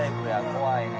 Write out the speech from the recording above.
怖いね。